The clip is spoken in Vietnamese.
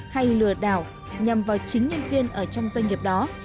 hay lừa đảo nhằm vào chính nhân viên ở trong doanh nghiệp đó